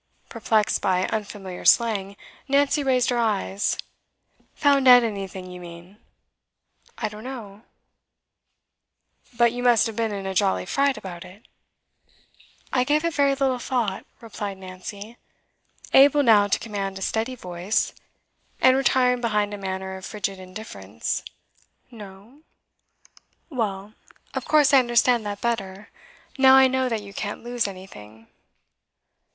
Perplexed by unfamiliar slang, Nancy raised her eyes. 'Found out anything, you mean? I don't know.' 'But you must have been in a jolly fright about it?' 'I gave it very little thought,' replied Nancy, able now to command a steady voice, and retiring behind a manner of frigid indifference. 'No? Well, of course I understand that better now I know that you can't lose anything.